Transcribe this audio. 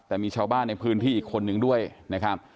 แต่มีชาวบ้านในพื้นที่อีกคนนึงด้วยนะครับ